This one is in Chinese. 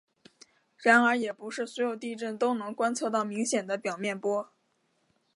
然而也不是所有地震都能观测到明显的表面波。